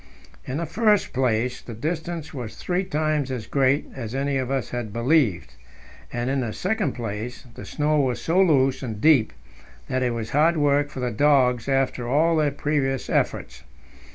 In the first place, the distance was three times as great as any of us had believed; and, in the second place, the snow was so loose and deep that it was hard work for the dogs after all their previous efforts.